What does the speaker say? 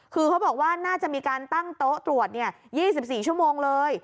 คือเขาบอกว่าน่าจะมีการตั้งโต๊ะตรวจ๒๔ชั่วโมงเลย